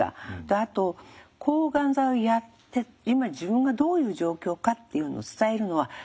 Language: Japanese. あと抗がん剤をやって今自分がどういう状況かっていうのを伝えるのは患者側なんです。